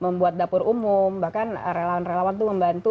mereka membuat dapur umum bahkan relawan relawan membantu